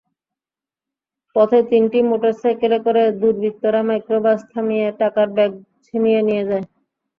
পথে তিনটি মোটরসাইকেলে করে দুর্বৃত্তরা মাইক্রোবাস থামিয়ে টাকার ব্যাগ ছিনিয়ে নিয়ে যায়।